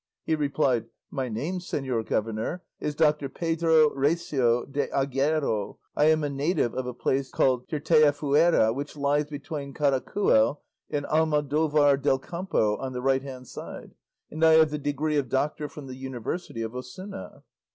He replied, "My name, señor governor, is Doctor Pedro Recio de Aguero I am a native of a place called Tirteafuera which lies between Caracuel and Almodovar del Campo, on the right hand side, and I have the degree of doctor from the university of Osuna."